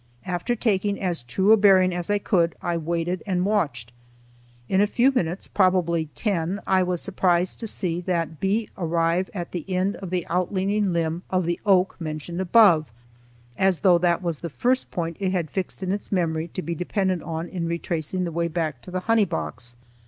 After taking as true a bearing as I could, I waited and watched. In a few minutes, probably ten, I was surprised to see that bee arrive at the end of the outleaning limb of the oak mentioned above, as though that was the first point it had fixed in its memory to be depended on in retracing the way back to the honey box.